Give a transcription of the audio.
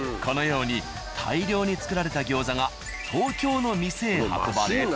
このように大量に作られた餃子が東京の店へ運ばれ。